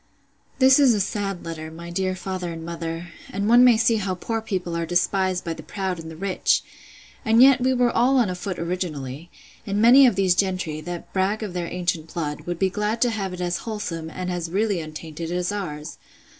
This is a sad letter, my dear father and mother; and one may see how poor people are despised by the proud and the rich! and yet we were all on a foot originally: And many of these gentry, that brag of their ancient blood, would be glad to have it as wholesome, and as really untainted, as ours!